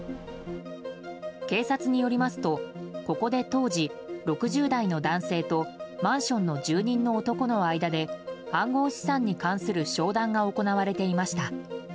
警察によりますとここで当時６０代の男性とマンションの住人の男の間で暗号資産に関する商談が行われていました。